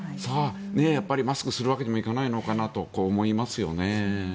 やっぱりマスクするわけにもいかないのかなと思いますよね。